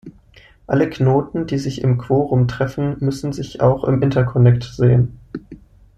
Alle Knoten die sich im Quorum treffen, müssen sich auch im Interconnect sehen.